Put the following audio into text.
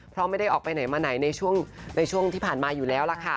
เพราะไม่ได้ออกไปไหนมาไหนในช่วงที่ผ่านมาอยู่แล้วล่ะค่ะ